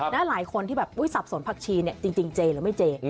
และหลายคนที่แบบสับสนผักชีเนี่ยจริงเจหรือไม่เจ